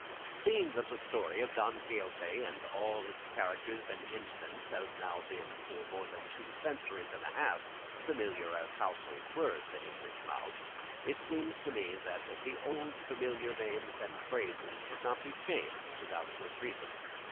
Seeing that the story of "Don Quixote" and all its characters and incidents have now been for more than two centuries and a half familiar as household words in English mouths, it seems to me that the old familiar names and phrases should not be changed without good reason.